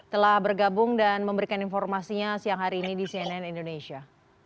telah bergabung dan memberikan informasinya siang hari ini di cnn indonesia